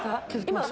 今。